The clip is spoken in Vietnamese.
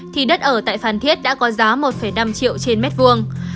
thì đất ở tại phan thiết đã có giá một năm triệu trên mét vuông